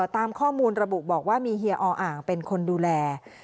ตามข้อมูลระบุบอกว่ามีเฮียออ่างเป็นคนดูแล